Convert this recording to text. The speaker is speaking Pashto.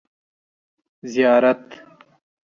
ـ زیارت.